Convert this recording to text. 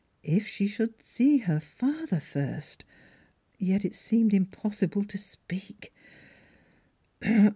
If she should see her father first Yet it seemed impossible to speak.